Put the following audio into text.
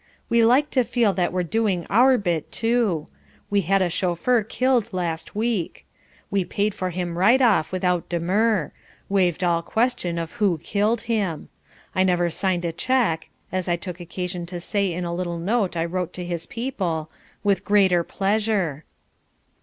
"We like to feel that we're doing our bit, too. We had a chauffeur killed last week. We paid for him right off without demur, waived all question of who killed him. I never signed a check (as I took occasion to say in a little note I wrote to his people) with greater pleasure."